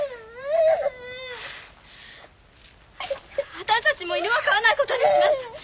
あたしたちもう犬は飼わないことにします！